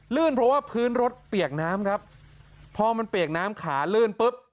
ลื่นเพราะว่าพื้นรถเปียกน้ำครับพอมันเปียกน้ำขาลื่นปุ๊บ